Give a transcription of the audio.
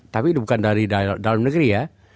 tapi bukan dari dalam negeri ya